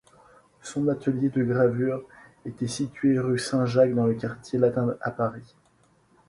Son atelier de gravure était situé rue Saint-Jacques dans le quartier latin à Paris.